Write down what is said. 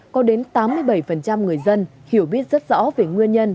có đến tám mươi bảy người dân hiểu biết rất rõ về nguyên nhân